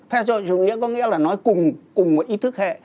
phe xã hội chủ nghĩa có nghĩa là nói cùng một ý thức hệ